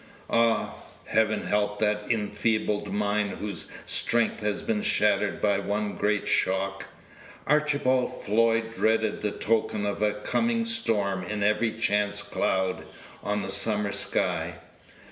Ah! Heaven help that enfeebled mind whose strength has been shattered by one great shock. Archibald Floyd dreaded the token of a coming storm in every chance cloud on the summer's sky.